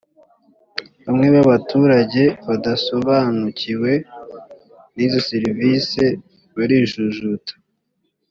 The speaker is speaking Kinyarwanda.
bamwe babaturage badasobanukiwe n’izi serivisi barijujuta